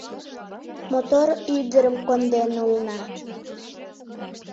Мотор ӱдырым конден улына